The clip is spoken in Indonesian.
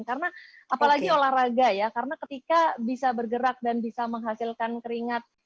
karena apalagi olahraga ya karena ketika bisa bergerak dan bisa menghasilkan keringat